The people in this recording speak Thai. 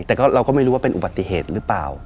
แต่เราก็ไม่รู้ว่าเป็นอุบัติเหตุหรือเปล่า